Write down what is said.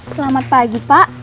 selamat pagi pak